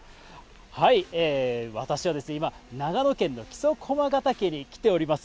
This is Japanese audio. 私は今、長野県の木曽駒ヶ岳に来ております。